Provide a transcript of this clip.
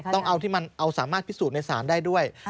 ต้องเอาที่มันเอาสามารถพิสูจน์ในศาลได้ด้วย